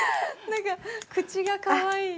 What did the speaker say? なんか、口がかわいい。